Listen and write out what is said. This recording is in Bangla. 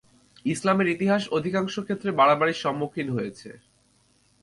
ইসলামের ইতিহাস অধিকাংশ ক্ষেত্রে বাড়াবাড়ির সম্মুখীন হয়ছে।